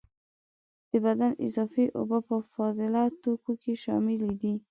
د بدن اضافي اوبه په فاضله توکو کې شاملي دي.